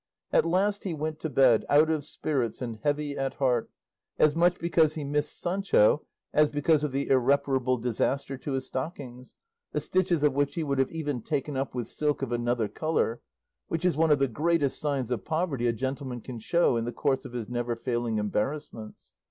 At last he went to bed, out of spirits and heavy at heart, as much because he missed Sancho as because of the irreparable disaster to his stockings, the stitches of which he would have even taken up with silk of another colour, which is one of the greatest signs of poverty a gentleman can show in the course of his never failing embarrassments.